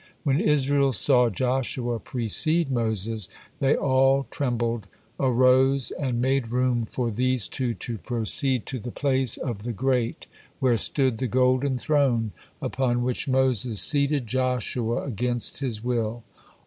When Israel saw Joshua precede Moses, they all trembled, arose, and made room for these two to proceed to the place of the great, where stood the golden throne, upon which Moses seated Joshua against his will.